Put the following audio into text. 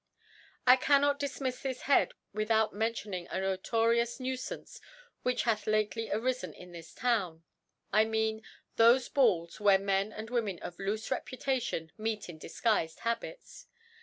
I cannot difmifs this Head, without men tioning a notorious Nuifance which hath lately arifen in this Town; I mean, thofc Balls where Mqn and Women of loofe Re putation mc^i in difguifed Habits.